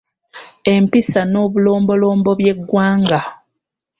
Empisa n’obulombolombo by’eggwanga